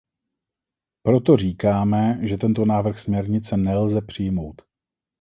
Proto říkáme, že tento návrh směrnice nelze přijmout.